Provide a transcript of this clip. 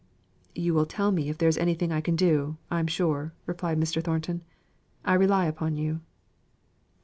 "You will tell me if there is anything I can do, I'm sure," replied Mr. Thornton. "I rely upon you."